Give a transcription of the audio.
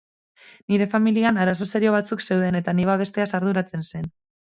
Nire familian arazo serio batzuk zeuden eta ni babesteaz arduratzen zen.